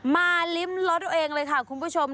มาลิ้มรถตัวเองเลยค่ะคุณผู้ชม